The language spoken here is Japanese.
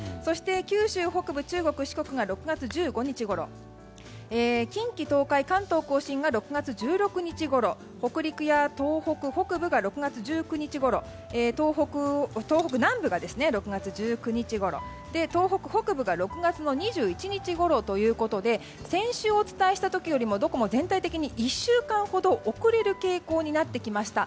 九州北部、中国・四国が６月１５日ごろ近畿・東海、関東・甲信が６月１６日ごろ北陸、東北南部が６月１９日ごろ東北北部が６月２１日ごろということで先週お伝えした時よりもどこも１週間ほど遅れる傾向になってきました。